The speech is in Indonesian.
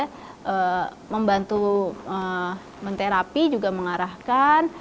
kita membantu menterapi juga mengarahkan